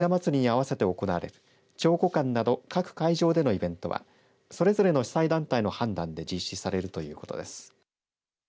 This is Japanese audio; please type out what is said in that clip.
一方で佐賀城下ひなまつりにあわせて行われる微古館など各会場でのイベントはそれぞれの主催団体の判断で実施されるということです。